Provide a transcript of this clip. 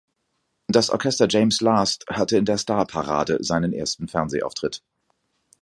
Das Orchester James Last hatte in der "Starparade" seinen ersten Fernsehauftritt.